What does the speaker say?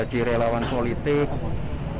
jadi relawan politik